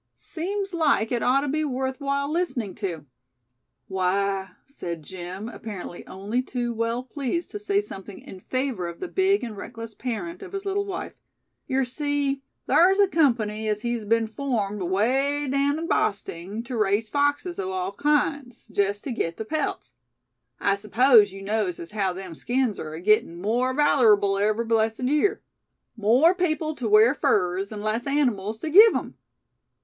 Seems like it ought to be worth while listening to." "Why," said Jim, apparently only too well pleased to say something in favor of the big and reckless parent of his little wife; "yer see, thar's a company as hes been formed away daown in Bosting, tew raise foxes o' all kinds, jest tew git the pelts. I s'pose yew knows as haow them skins air agittin' more valerable every blessed year. More people tew wear furs, an' less animals tew give 'em.